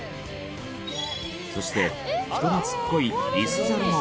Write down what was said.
そして人懐っこいリスザルも。